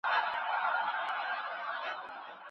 ملي یوالی یوازې د پوهنې او شعور په لوړولو سره ترلاسه کېدای شي.